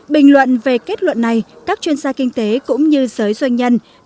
bình luận về kết luận này các chuyên gia kinh tế cũng như giới doanh nhân